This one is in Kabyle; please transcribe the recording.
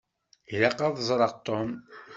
Ilaq ad d-ẓṛeɣ Tom.